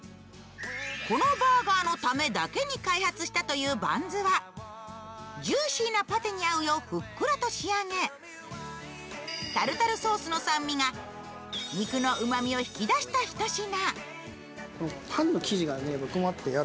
このバーガーのためだけに開発したというバンズはジューシーなパテに合うようふっくらと仕上げタルタルソースの酸味が肉のうまみを引き出したひと品。